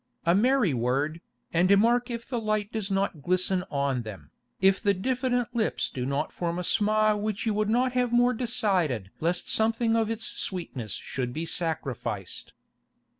A merry word, and mark if the light does not glisten on them, if the diffident lips do not form a smile which you would not have more decided lest something of its sweetness should be sacrificed.